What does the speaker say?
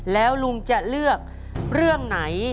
แล้วลุงจะเลือกเรื่องไหน